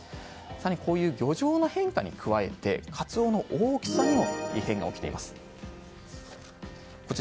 更に、こういう漁場の変化に加えてカツオの大きさにも異変が起きています。